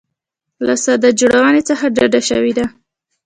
له ساده جوړونې څخه ډډه شوې ده.